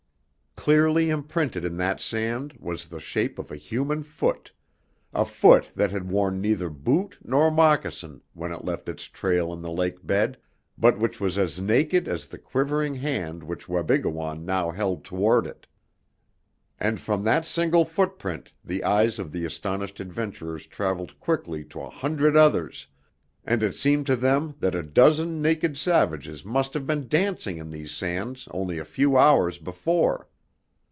Clearly imprinted in that sand was the shape of a human foot, a foot that had worn neither boot nor moccasin when it left its trail in the lake bed, but which was as naked as the quivering hand which Wabigoon now held toward it! And from that single footprint the eyes of the astonished adventurers traveled quickly to a hundred others, until it seemed to them that a dozen naked savages must have been dancing in these sands only a few hours before.